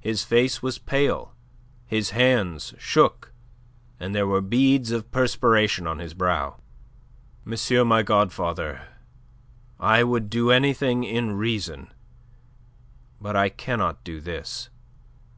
His face was pale, his hands shook, and there were beads of perspiration on his brow. "Monsieur my godfather, I would do anything in reason. But I cannot do this.